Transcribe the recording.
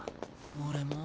俺も。